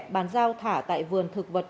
bàn giao thả tại vườn thực vật